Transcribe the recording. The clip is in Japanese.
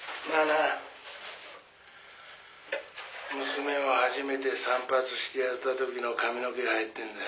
「娘を初めて散髪してやった時の髪の毛が入ってんだ」